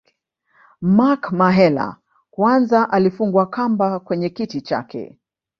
Mark Mahela kwanza alifungwa kamba kwenye kiti chake